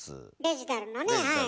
デジタルのねはい。